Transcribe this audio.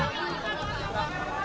agus firmanca cnn indonesia